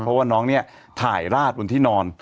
เพราะว่าน้องเนี่ยถ่ายราดบนที่นอน